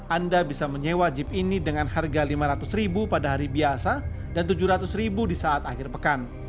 anda bisa menyewa jeep ini dengan harga lima ratus pada hari biasa dan rp tujuh ratus ribu di saat akhir pekan